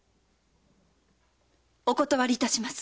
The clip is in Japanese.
お断りいたします。